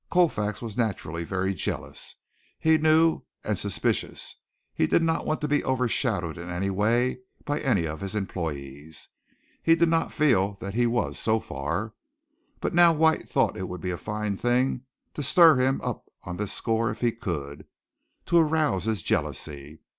Colfax was naturally very jealous, he knew, and suspicious. He did not want to be overshadowed in any way by any of his employees. He did not feel that he was, so far. But now White thought it would be a fine thing to stir him up on this score if he could to arouse his jealousy.